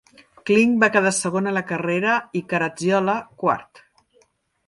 Kling va quedar segon a la carrera i Caracciola quart.